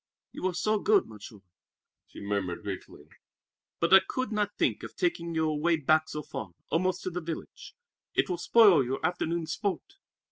"You are so good, Monsieur," she murmured gratefully. "But I could not think of taking you away back so far, almost to the village. It will spoil your afternoon's sport."